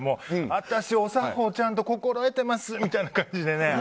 私、お作法ちゃんと心得てますみたいな感じでね。